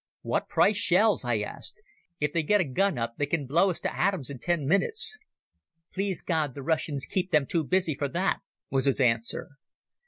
"What price shells?" I asked. "If they get a gun up they can blow us to atoms in ten minutes." "Please God the Russians keep them too busy for that," was his answer.